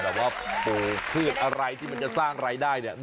แบบว่าปลูกพืชอะไรที่มันจะสร้างรายได้เนี่ย